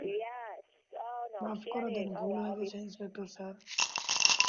মাফ করে দেন, ভুল হয়ে গেছে ইন্সপেক্টার স্যার।